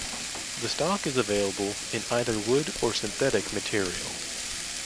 The stock is available in either wood or synthetic material.